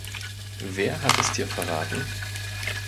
Wer hat es dir verraten?